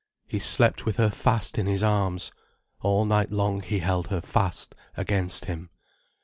He slept with her fast in his arms. All night long he held her fast against him.